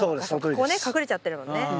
こうね隠れちゃってるもんね。